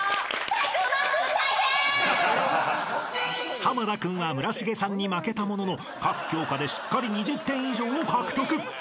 ［濱田君は村重さんに負けたものの各教科でしっかり２０点以上を獲得］